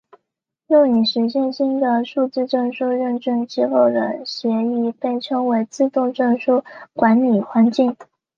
用以实现新的数字证书认证机构的协议被称为自动证书管理环境。